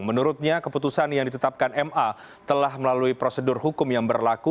menurutnya keputusan yang ditetapkan ma telah melalui prosedur hukum yang berlaku